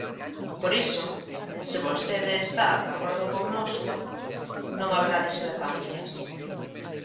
Por iso, se vostede está de acordo connosco, non haberá discrepancias.